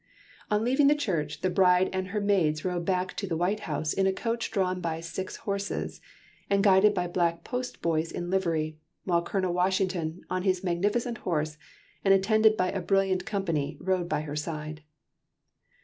On leaving the church, the bride and her maids rode back to the "White House" in a coach drawn by six horses, and guided by black post boys in livery, while Colonel Washington, on his magnificent horse, and attended by a brilliant company, rode by her side.